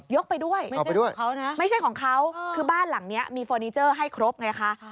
ยกไปด้วยไม่ใช่ของเขานะคือบ้านหลังนี้มีฟอร์นิเจอร์ให้ครบไงคะ